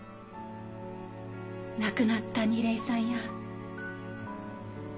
亡くなった楡井さんや。